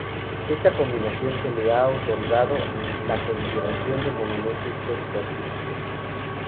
Esta combinación le ha otorgado la consideración de monumento histórico-artístico.